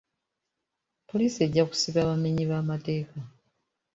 Poliisi ejja kusiba abamenyi b'amateeka.